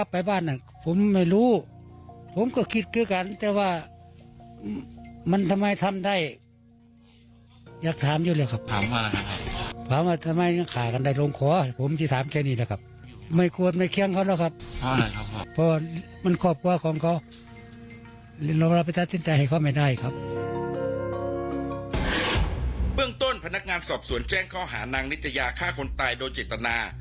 เบื้องต้นพนักงานสอบสวนแจ้งข้อหานางนิตยาฆ่าคนตายโดยเจตนา